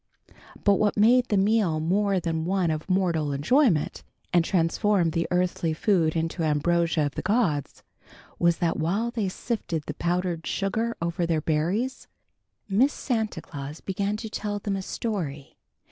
But what made the meal more than one of mortal enjoyment, and transformed the earthly food into ambrosia of the gods, was that while they sifted the powdered sugar over their berries, Miss Santa Claus began to tell them a story.